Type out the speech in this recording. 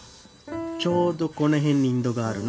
ちょうどこの辺にインドがあるの。